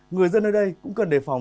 người dân ở đây cũng cần đề phòng